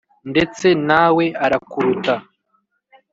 ndetse na we arakuruta!